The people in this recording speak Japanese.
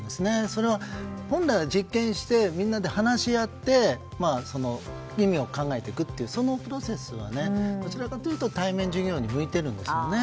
それは、本来は実験してみんなで話し合って意味を考えていくというプロセスはどちらかというと対面授業が向いているんですよね。